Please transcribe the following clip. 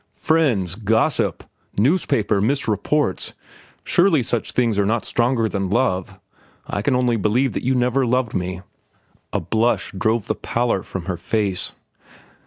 "Friends! Gossip! Newspaper misreports! Surely such things are not stronger than love! I can only believe that you never loved me." A blush drove the pallor from her face.